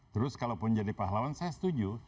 terus kalau pun jadi pahlawan saya setuju